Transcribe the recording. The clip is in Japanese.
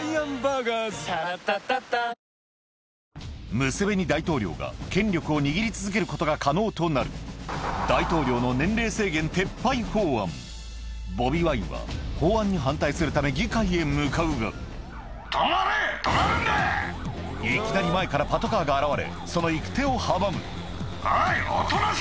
ムセベニ大統領が権力を握り続けることが可能となるボビ・ワインは法案に反対するため議会へ向かうがいきなり前からパトカーが現れその行く手を阻むおい！